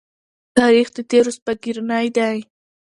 تاریخ د تېرو سپږېرنی دی.